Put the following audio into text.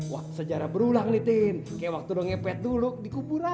wah sejarah berulang nih tin kayak waktu udah ngepet dulu di kuburan